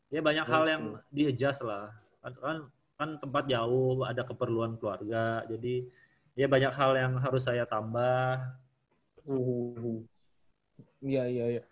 ya banyak hal yang di adjust lah kan tempat jauh ada keperluan keluarga jadi ya banyak hal yang harus saya tambah biaya